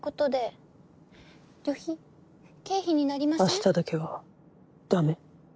明日だけはダメ。